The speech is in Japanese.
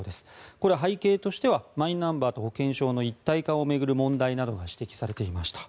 これ、背景としてはマイナンバーと保険証の一体化を巡る問題などが指摘されていました。